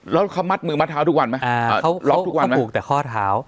แล้วเขามัดมือมัดเท้าทุกวันไหมอ่าเขาปลูกแต่ข้อเท้า